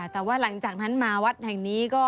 แต่ว่าหลังจากนั้นมาวัดแห่งนี้ก็